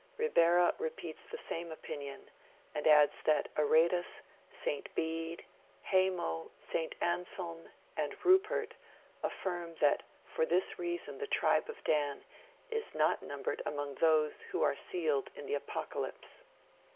Ribera repeats the same opinion, and adds that Aretas, St. Bede, Haymo, St. Anselm, and Rupert affirm that for this reason the tribe of Dan is not numbered among those who are sealed in the Apocalypse